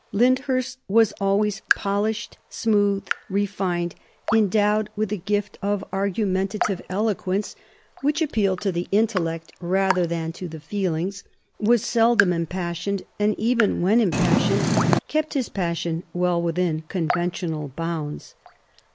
Lyndhurst was always polished, smooth, refined, endowed with a gift of argumentative eloquence, which appealed to the intellect rather than to the feelings, was seldom impassioned, and even when impassioned kept his passion well within conventional bounds.